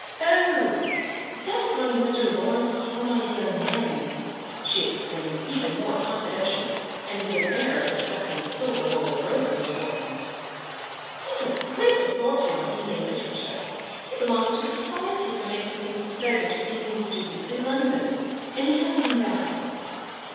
"Oh, that is one of Mr. Lawrence Carmine's young men!" she explained even more confidentially and with an air of discussing the silver bowl of roses before him. "He's a great authority on Indian literature, he belongs to a society for making things pleasant for Indian students in London, and he has them down."